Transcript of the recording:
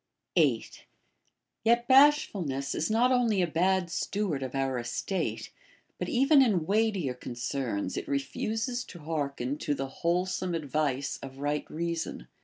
8, Yet bashfulness is not only a bad steward of our es tate, but even in weightier concerns it refuses to hearken to the wholesome advice of right reason.